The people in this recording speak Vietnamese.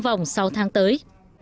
trong vòng sáu tháng tới